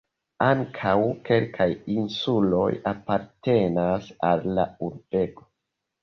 Ankaŭ kelkaj insuloj apartenas al la urbego.